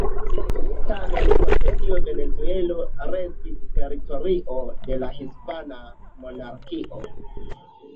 Tamen post tio Venezuelo restis teritorio de la hispana monarkio.